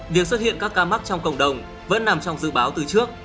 việc xuất hiện các ca mắc trong cộng đồng vẫn nằm trong dự báo từ trước